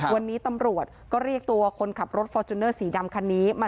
วันนี้ตำรวจก็เรียกตัวคนขับรถฟอร์จูเนอร์สีดำคันนี้มา